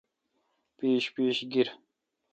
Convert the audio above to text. پِیش پیش گیرہ۔